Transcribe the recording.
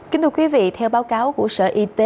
kính thưa quý vị theo báo cáo của sở y tế